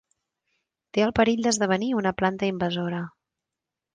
Té el perill d'esdevenir una planta invasora.